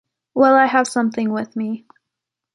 Well I have something with me.